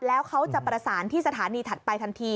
แล้วเขาจะประสานที่สถานีถัดไปทันที